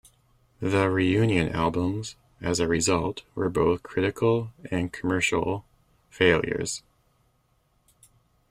The reunion albums, as a result, were both critical and commercial failures.